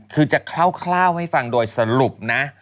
คือจะเคล้าวเคล้าวให้ฟังบ่อยสรุปนะ